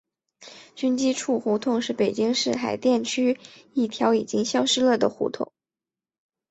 军机处胡同是北京市海淀区一条已经消失了的胡同。